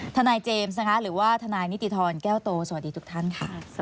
ทนายเจมส์นะคะหรือว่าทนายนิติธรแก้วโตสวัสดีทุกท่านค่ะ